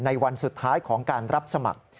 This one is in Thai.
วันสุดท้ายของการรับสมัคร